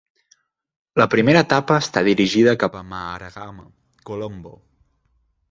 La primera etapa està dirigida cap a Maharagama - Colombo.